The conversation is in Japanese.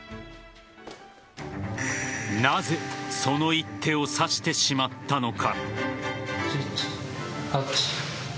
なぜその一手を指してしまったのか。